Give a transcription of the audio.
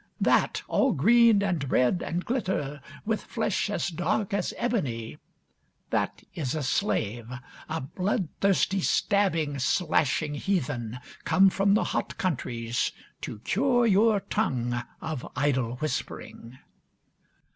That all green, and red, and glitter, with flesh as dark as ebony that is a slave; a bloodthirsty, stabbing, slashing heathen, come from the hot countries to cure your tongue of idle whispering.